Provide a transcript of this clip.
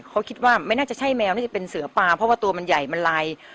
เขาคิดว่าไม่น่าจะใช่แมวน่าจะเป็นเสือปลาเพราะว่าตัวมันใหญ่มันลาย